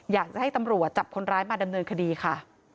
อยากจะให้ตำรวจจับคนร้ายมาดำเนินคดีค่ะ